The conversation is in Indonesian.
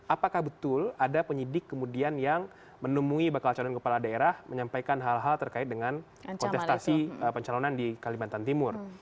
apakah betul ada penyidik kemudian yang menemui bakal calon kepala daerah menyampaikan hal hal terkait dengan kontestasi pencalonan di kalimantan timur